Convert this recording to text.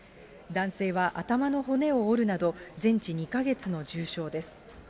男性は頭の骨を折るなど、全治２か月の重傷です。